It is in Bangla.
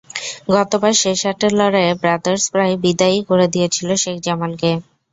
গতবার শেষ আটের লড়াইয়ে ব্রাদার্স প্রায় বিদায়ই করে দিয়েছিল শেখ জামালকে।